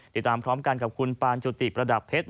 ติดตามพร้อมกันกับคุณปานจุติประดับเพชร